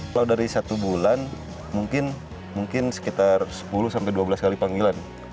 kalau dari satu bulan mungkin sekitar sepuluh sampai dua belas kali panggilan